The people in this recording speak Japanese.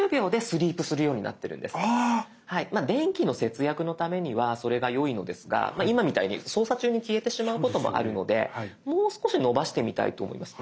まあ電気の節約のためにはそれがよいのですが今みたいに操作中に消えてしまうこともあるのでもう少し延ばしてみたいと思います。